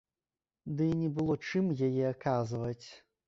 Ды і не было чым яе аказваць.